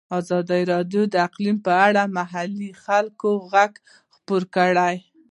ازادي راډیو د اقلیم په اړه د محلي خلکو غږ خپور کړی.